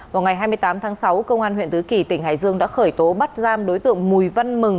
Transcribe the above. vào ngày hai mươi tám tháng sáu công an huyện tứ kỳ tỉnh hải dương đã khởi tố bắt giam đối tượng mùi văn mừng